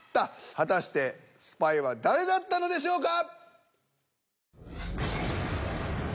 果たしてスパイは誰だったのでしょうか！？